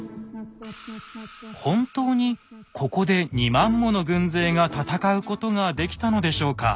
本当にここで２万もの軍勢が戦うことができたのでしょうか？